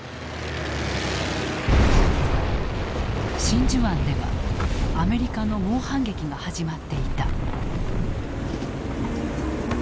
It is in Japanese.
真珠湾ではアメリカの猛反撃が始まっていた。